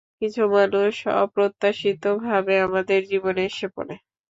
কিছু মানুষ অপ্রত্যাশিতভাবে আমাদের জীবনে এসে পড়ে।